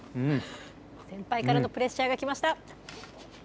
先輩からのプレッシャーが来ました。